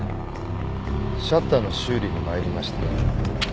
シャッターの修理に参りました。